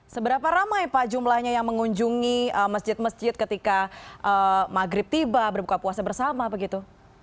seberapa ramai pak jumlahnya yang mengunjungi masjid masjid ketika maghrib tiba berbuka puasa bersama begitu